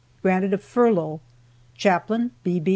GRANTED A FURLOUGH. CHAPLAIN B. B.